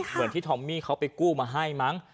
เหมือนที่ทอมมี่เขาไปกู้มาให้มั้ง